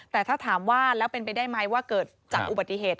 แต่ถ้าถามว่าแล้วเป็นไปได้ไหมว่าเกิดจากอุบัติเหตุ